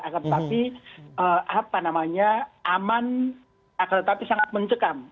akan tetapi apa namanya aman akan tetapi sangat mencekam